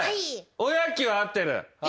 おやきは合ってる。